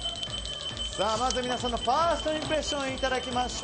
まずは皆さんのファーストインプレッションいただきましょう。